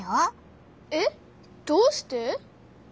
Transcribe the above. えっどうして？